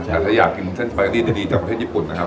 แต่ถ้าอยากซื้อเส้นสปาเกตี้เดียวจากประเทศญี่ปุ่นนะครับ